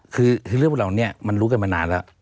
คือเรื่องของเราเนี่ยมันรู้กันมานานแล้ว